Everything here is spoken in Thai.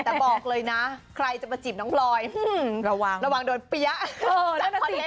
แต่บอกเลยนะใครจะประจิบน้องปลอยระวังโดนเปี๊ะ